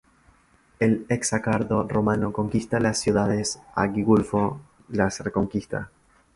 El Exarcado Romano conquista de las ciudades, Agilulfo las reconquista.